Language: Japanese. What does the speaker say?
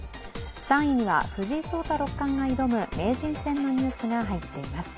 ３位には藤井聡太六冠が挑む名人戦のニュースが入っています。